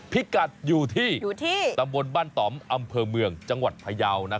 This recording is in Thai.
พิกัดอยู่ที่อยู่ที่ตำบลบ้านต่อมอำเภอเมืองจังหวัดพยาว